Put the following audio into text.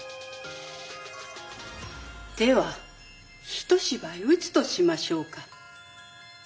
では一芝居打つとしましょうか。